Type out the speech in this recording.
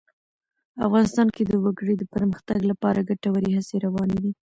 افغانستان کې د وګړي د پرمختګ لپاره ګټورې هڅې روانې دي.